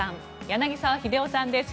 柳澤秀夫さんです。